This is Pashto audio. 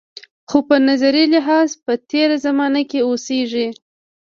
خو په نظري لحاظ په تېره زمانه کې اوسېږي.